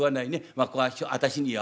まあ私には」。